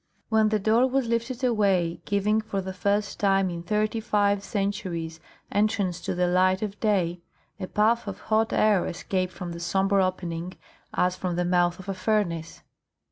When the door was lifted away, giving for the first time in thirty five centuries entrance to the light of day, a puff of hot air escaped from the sombre opening as from the mouth of a furnace.